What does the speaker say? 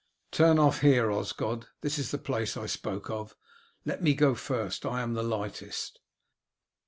"Turn off here, Osgod; this is the place I spoke of. Let me go first, I am lightest."